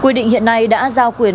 quy định hiện nay đã giao quyền